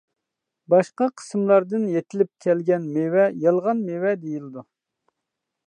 باشقا قىسىملاردىن يېتىلىپ كەلگەن مېۋە يالغان مېۋە دېيىلىدۇ.